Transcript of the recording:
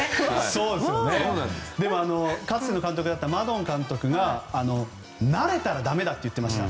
かつての監督のマドン監督が慣れたらだめだと言っていました。